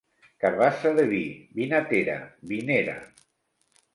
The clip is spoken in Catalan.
Carbassa de vi, vinatera, vinera.